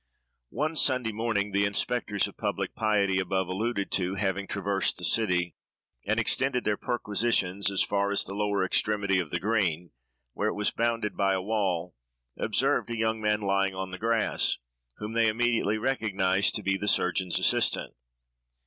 One Sunday morning, the inspectors of public piety above alluded to having traversed the city, and extended their perquisitions as far as the lower extremity of the Green, where it was bounded by a wall, observed a young man lying on the grass, whom they immediately recognised to be the surgeon's assistant.